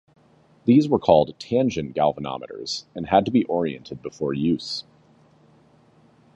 These were called "tangent" galvanometers and had to be oriented before use.